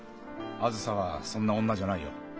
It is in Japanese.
あづさはそんな女じゃないよ。